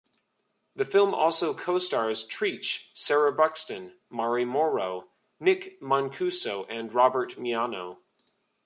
The film also co-stars Treach, Sarah Buxton, Mari Morrow, Nick Mancuso and Robert Miano.